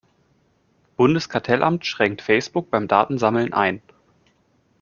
Bundeskartellamt schränkt Facebook beim Datensammeln ein.